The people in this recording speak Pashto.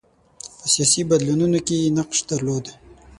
په سیاسي بدلونونو کې یې نقش درلود.